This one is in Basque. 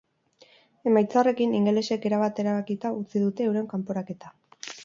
Emaitza horrekin, ingelesek erabat erabakita utzi dute euren kanporaketa.